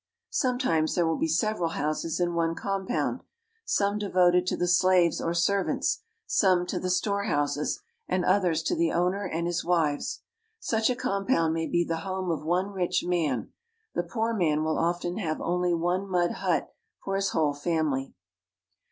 ■ Sometimes there will be several houses in one com pound, some devoted to the slaves or servants, some the storehouses, and others to the owner and his wives. Such a compound may be the home of one rich man. The poor man will often have only one mud hut \ for his whole family.